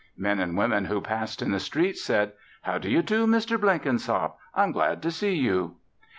Men and women who passed in the street said, "How do you do, Mr. Blenkinsop? I'm glad to see you."